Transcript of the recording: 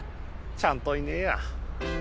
ちゃんといねえや。